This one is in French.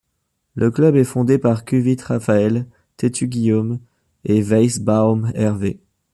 Le club est fondé par Cuvit Raphael, Tetu Guillaume et Weissbaum Hervé.